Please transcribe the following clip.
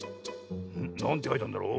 なんてかいてあんだろう？